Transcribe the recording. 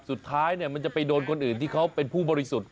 มันจะไปโดนคนอื่นที่เขาเป็นผู้บริสุทธิ์